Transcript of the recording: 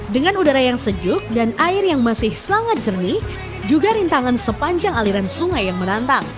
dengan udara yang sejuk dan air yang masih sangat jernih juga rintangan sepanjang aliran sungai yang menantang